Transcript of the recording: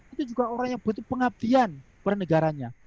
itu juga orang yang butuh pengabdian per negaranya